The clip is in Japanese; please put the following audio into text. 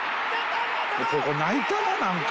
ここ泣いたねなんか。